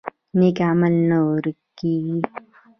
نیک عمل نه ورک کیږي